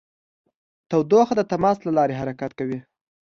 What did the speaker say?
تودوخه د تماس له لارې حرکت کوي.